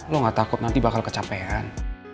lo gak takut nanti bakal kecapean